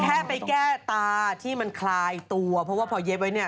แค่ไปแก้ตาที่มันคลายตัวเพราะว่าพอเย็บไว้เนี่ย